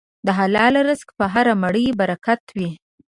د حلال رزق په هره مړۍ برکت وي.